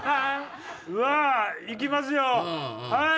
うわいきますよはい！